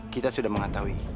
kita sudah mengetahui